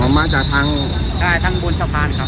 ลดลงมาจากทางบนสะพานนะครับ